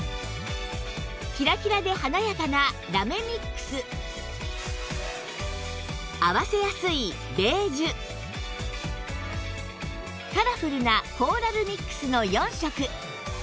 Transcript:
キラキラで華やかな合わせやすいカラフルなコーラルミックスの４色